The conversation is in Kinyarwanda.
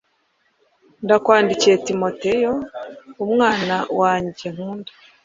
Ndakwandikiye Timoteyo, umwana wanjye nkunda.